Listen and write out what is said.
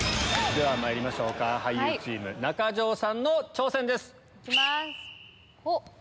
まいりましょうか俳優チーム中条さんの挑戦です。